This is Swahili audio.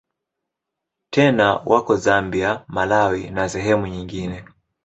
Tena wako Zambia, Malawi na sehemu nyingine.